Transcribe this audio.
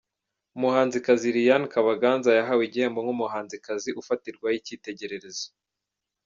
Umuhanzikazi Liliane Kabaganza yahawe igihembo nk'umuhanzikazi ufatirwaho icyitegererezo.